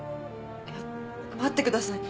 いや待ってください。